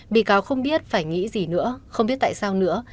bị cáo không biết phải nghĩ gì nữa không biết tại sao nữa